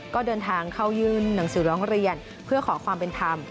ก็เดินทางเข้ายื่นหนังสือร้องเรียนเพื่อขอความเป็นธรรม